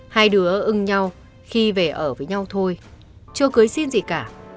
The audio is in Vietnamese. hai đứa ưng nhau khi về ở với nhau thôi chưa cưới xin gì cả